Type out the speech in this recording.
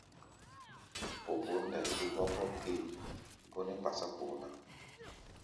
Popǒr ndai dúk hokop gée, bó nɛ́ kpásá kpoo ná.